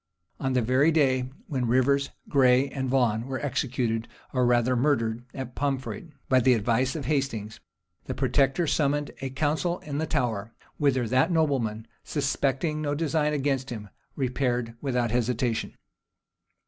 On the very day when Rivers, Gray, and Vaughan were executed, or rather murdered, at Poinfret by the advice of Hastings, the protector summoned a council in the Tower; whither that nobleman, suspecting no design against him, repaired without hesitation.